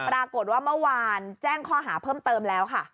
ปรากฏว่าเมื่อวานแจ้งข้อหาเพิ่มเติมแล้วค่ะ